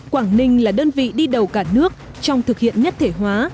quảng ninh là đơn vị đi đầu cả nước trong thực hiện nhất thể hóa